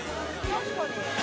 確かに。